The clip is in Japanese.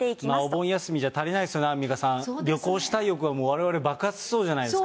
お盆休みじゃ足りないですよね、アンミカさん、旅行したい欲が、われわれ爆発しそうじゃないですか。